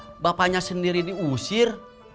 masa bapaknya sendiri diusir